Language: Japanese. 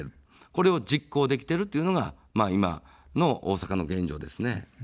これを実行できているというのが今の大阪の現状ですね。